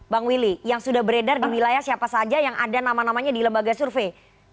bang willy yang sudah beredar di wilayah siapa saja yang ada nama namanya di lembaga survei